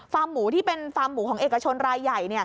หมูที่เป็นฟาร์มหมูของเอกชนรายใหญ่